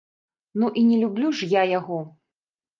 Ну і не люблю ж я яго!